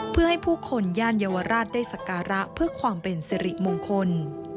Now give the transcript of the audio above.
เพื่อให้ผู้คนย่านเยาวราชได้สการะเพื่อความเป็นสิริมงคล